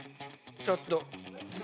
ちょっと。